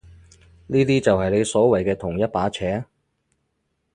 呢啲就係你所謂嘅同一把尺？